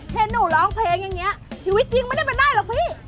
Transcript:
เห็นหนูร้องเพลงอย่างนี้ชีวิตจริงไม่ได้เป็นได้หรอกพี่